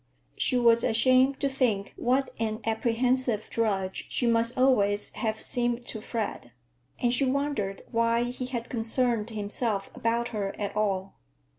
She was ashamed to think what an apprehensive drudge she must always have seemed to Fred, and she wondered why he had concerned himself about her at all.